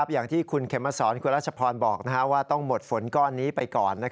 อย่างที่คุณเขมสอนคุณรัชพรบอกว่าต้องหมดฝนก้อนนี้ไปก่อน